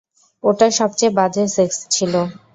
ওটা সবচেয়ে বাজে সেক্স ছিলো।